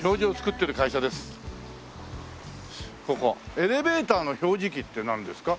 エレベーターの表示器ってなんですか？